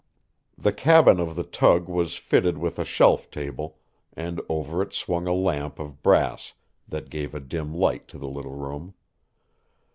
The cabin of the tug was fitted with a shelf table, and over it swung a lamp of brass that gave a dim light to the little room.